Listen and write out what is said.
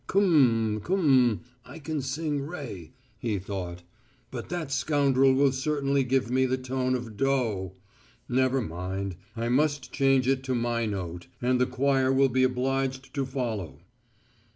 "Km ... km.... I can sing re," he thought. "But that scoundrel will certainly give me the tone on doh. Never mind, I must change it to my note, and the choir will be obliged to follow."